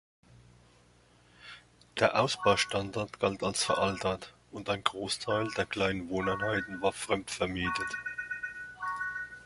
Der Ausbaustandard galt als veraltet und ein Grossteil der kleinen Wohneinheiten war fremd vermietet.